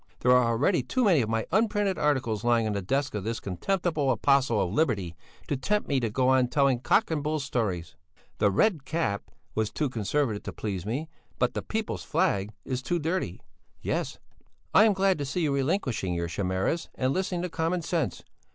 There are already too many of my unprinted articles lying on the desk of this contemptible apostle of liberty to tempt me to go on telling cock and bull stories. The Red Cap was too Conservative to please me, but the People's Flag is too dirty." "I am glad to see you relinquishing your chimeras and listening to common sense.